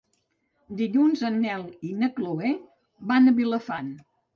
Dilluns en Nel i na Chloé van a Vilafant.